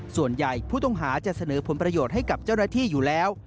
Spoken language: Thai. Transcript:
ส่วนใหญ่ผู้ต้องหาจะเสนอผลประโยชน์ให้กับเจ้าหน้าที่อยู่แล้ว